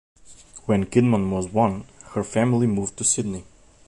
When Kidman was one, her family moved to Sydney.